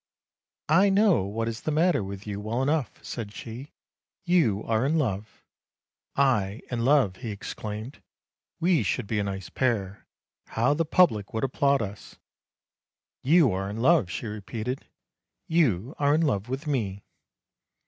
' I know what is the matter with you, well enough! ' said she; 'you are in love.' 'I and love,' he exclaimed; ' we should be a nice pair! How the public would applaud us! '' You are in love,' she repeated, ' you are in love with me.'